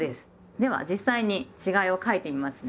では実際に違いを書いてみますね。